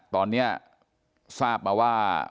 ตอนนี้ทราบมาว่า